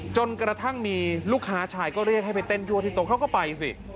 จนกระทั่งมีลูกค้าชายก็เรียกให้ไปเต้นยั่วที่โต๊ะเขาก็ไปสิ